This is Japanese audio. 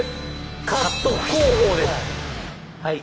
はい。